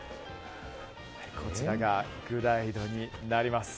こちらがグライドになります。